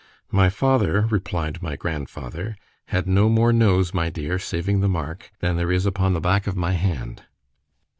My father, replied my grandfather, had no more nose, my dear, saving the mark, than there is upon the back of my hand.